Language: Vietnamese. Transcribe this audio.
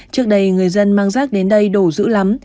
trước đây người dân mang rác đến đây đổ giữ lắm